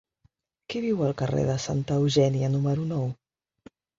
Qui viu al carrer de Santa Eugènia número nou?